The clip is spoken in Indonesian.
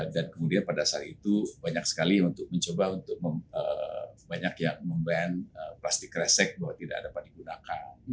dan kemudian pada saat itu banyak sekali yang mencoba untuk banyak yang memband plastik resek bahwa tidak dapat digunakan